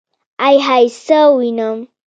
ائ هئ څه وينم.